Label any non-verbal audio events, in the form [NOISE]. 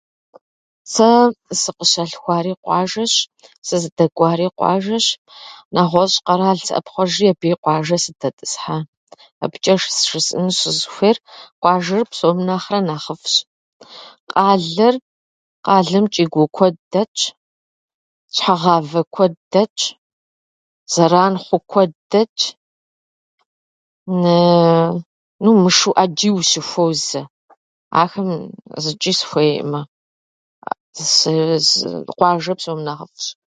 Сэ сыкъыщалъхуари къуажэщ, сыздыдэкӏуари къуажэщ. Нэгъуэщӏ къэрал сыӏэпхъуэжри абыи къуажэ сыдэтӏысхьа. Абыкӏэ щыз- жысӏэну сызыхуейр къуажэр псом нэхърэ нэхъыфӏщ. къалэр- Къалэм чӏий-гуо куэд дэтщ, щхьэгъавэ куэд дэтщ, зэран хъу куэд дэтщ, [HESITATION] мышу ӏэджи ущыхуозэ. Ахэм зычӏи сыхуейӏымэ. [HESITATION] Къуажэр псом нэ нэхъыфӏщ.